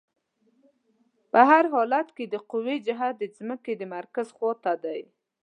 په هر حالت کې د قوې جهت د ځمکې د مرکز خواته دی.